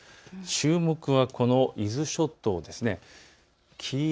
注目はこの伊豆諸島です。